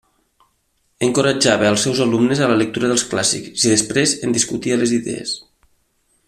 Encoratjava als seus alumnes a la lectura dels clàssics i després en discutia les idees.